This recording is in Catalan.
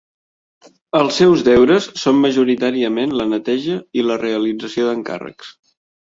Els seus deures són majoritàriament la neteja i la realització d'encàrrecs.